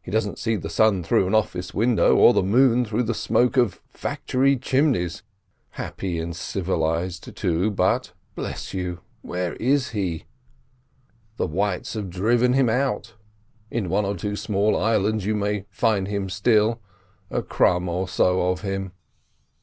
He doesn't see the sun through an office window or the moon through the smoke of factory chimneys; happy and civilised too—but, bless you, where is he? The whites have driven him out; in one or two small islands you may find him still—a crumb or so of him."